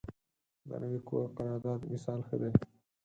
د نوي کور قرارداد مثال ښه دی.